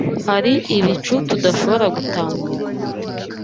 Hari ibicu tudashobora gutamurura